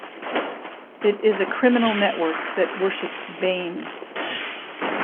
It is a criminal network that worships Bane.